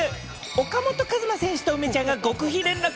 岡本和真選手と梅ちゃんが極秘連絡？